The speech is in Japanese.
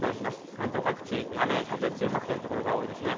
関東各地、雨風強まってる所が多いですね。